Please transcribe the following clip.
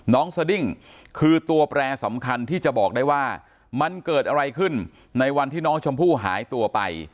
สดิ้งคือตัวแปรสำคัญที่จะบอกได้ว่ามันเกิดอะไรขึ้นในวันที่น้องชมพู่หายตัวไป